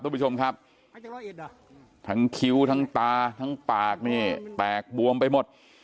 คุณผู้ชมครับทั้งคิ้วทั้งตาทั้งปากนี่แตกบวมไปหมด